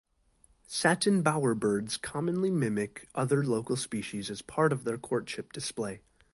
Satin bowerbirds commonly mimic other local species as part of their courtship display.